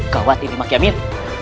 gawat ini mak yamin